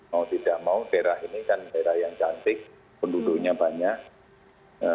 mau tidak mau daerah ini kan daerah yang cantik penduduknya banyak